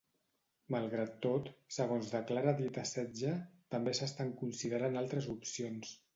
Malgrat tot, segons declara Dieter Zetsche, també s'estan considerant altres opcions.